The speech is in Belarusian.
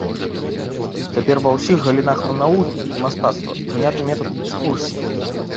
Цяпер ва ўсіх галінах навукі і мастацтва прыняты метад экскурсій.